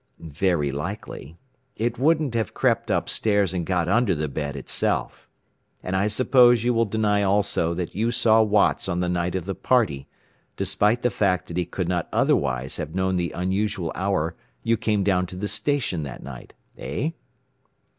"Very likely. It wouldn't have crept up stairs and got under the bed itself. And I suppose you will deny also that you saw Watts on the night of the party, despite the fact that he could not otherwise have known the unusual hour you came down to the station that night. Eh?"